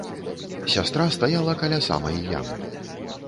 Сястра стаяла каля самай ямы.